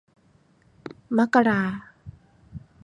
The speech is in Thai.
มกรา